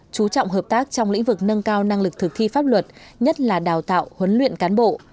chú trọng hợp tác trong lĩnh vực nâng cao năng lực thực thi pháp luật nhất là đào tạo huấn luyện cán bộ